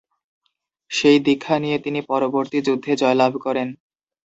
সেই দীক্ষা নিয়ে তিনি পরবর্তী যুদ্ধে জয়লাভ করেন।